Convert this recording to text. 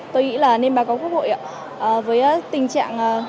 tôi nghĩ là nên bà có quốc hội ạ